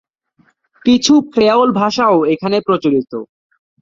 কিছু ক্রেওল ভাষাও এখানে প্রচলিত।